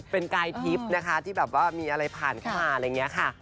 เป็นกายทิพย์นะคะที่แบบว่ามีอะไรผ่านเข้ามาอะไรอย่างนี้ค่ะ